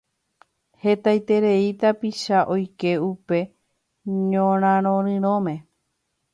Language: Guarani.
Hetaiterei tapicha oike upe ñorarirõme.